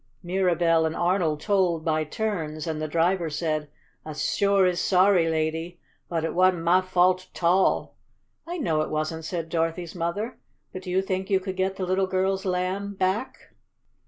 Mirabell and Arnold told by turns, and the driver said: "I suah is sorry, lady. But it w'an't mahfaulta tall!" "I know it wasn't," said Dorothy's mother. "But do you think you could get the little girl's Lamb's back?"